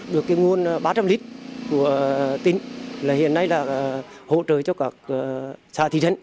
được nguồn ba trăm linh lít của tỉnh hiện nay là hỗ trợ cho các xã thị trấn